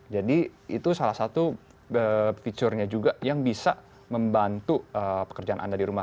jadi itu salah satu fiturnya juga yang bisa membantu pekerjaan anda di rumah